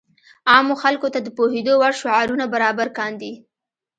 عامو خلکو ته د پوهېدو وړ شعارونه برابر کاندي.